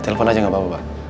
telepon aja enggak bapak